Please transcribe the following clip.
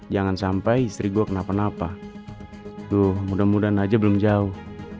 jangan sampai istri gue kenapa napa tuh mudah mudahan aja belum jauh